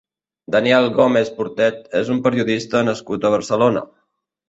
Daniel Gómez Portet és un periodista nascut a Barcelona.